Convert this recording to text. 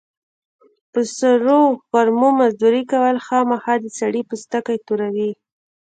په سرو غرمو مزدوري کول، خوامخا د سړي پوستکی توروي.